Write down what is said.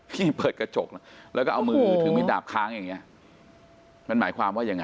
ที่เปิดกระจกแล้วก็เอามือถือมิดดาบค้างอย่างเงี้ยมันหมายความว่ายังไง